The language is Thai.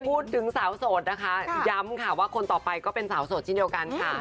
พูดถึงสาวโสดนะคะย้ำค่ะว่าคนต่อไปก็เป็นสาวโสดเช่นเดียวกันค่ะ